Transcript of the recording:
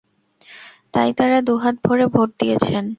তাই তাঁরা দুহাত ভরে ভোট দিয়েছেন।